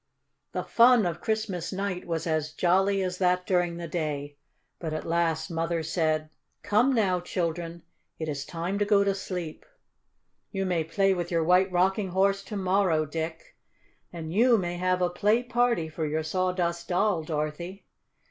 The fun of Christmas night was as jolly as that during the day, but at last Mother said: "Come now, children, it is time to go to sleep. You may play with your White Rocking Horse to morrow, Dick. And you may have a play party for your Sawdust Doll, Dorothy."